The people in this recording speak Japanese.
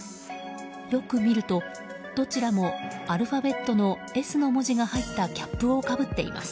よく見るとどちらもアルファベットのＳの文字が入ったキャップをかぶっています。